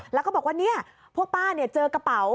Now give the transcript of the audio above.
แล้วก็บอกว่าพวกป้าเจอกระเป๋า